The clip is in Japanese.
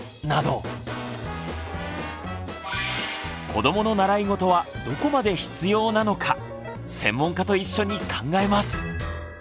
子どもの習いごとはどこまで必要なのか専門家と一緒に考えます！